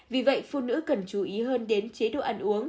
vì vậy phụ nữ cần chú ý hơn đến chế độ ăn uống